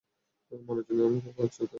মরার জন্য তো আমিও প্রস্তত, বাবু।